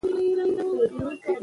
دجړبحث څخه ورورسته شفيق